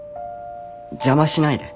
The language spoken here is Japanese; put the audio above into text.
邪魔しないで。